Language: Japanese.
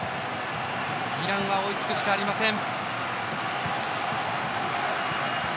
イランは追いつくしかありません。